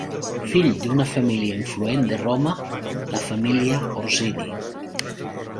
Fill d'una família influent de Roma, la família Orsini.